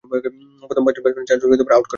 প্রথম পাঁচজন ব্যাটসম্যানের চারজনকে আউট করেন।